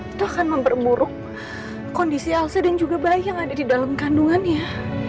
itu akan mempermuruk kondisi alse dan juga bayi yang ada di dalam kandungannya